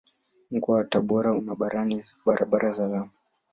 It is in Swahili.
Mkoa wa Tabora una barabara za lami.